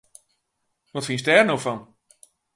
Wat fynst dêr no fan!